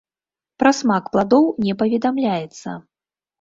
Пра смак пладоў не паведамляецца.